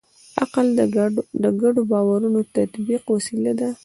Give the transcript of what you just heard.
عقل د ګډو باورونو د تطبیق وسیله ده.